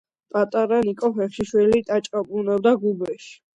პატარა ნიკო ფეხშიშველი ტაჭყაპუნობდა გუბეში.